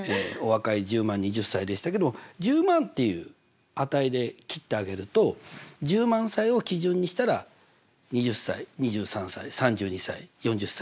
お若い１０万２０歳でしたけども１０万っていう値で切ってあげると１０万歳を基準にしたら２０歳２３歳３２歳４０歳４５歳だから。